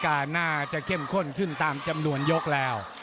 ความไปนี้ก็คิดว่าเข้มข้นขึ้นตามจำนวนยกแล้ว